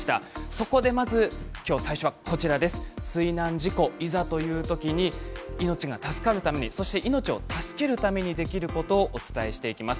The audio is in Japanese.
そこでまず今日、最初は水難事故、いざという時に命が助かるために、そして命を助けるためにできることをお伝えしていきます。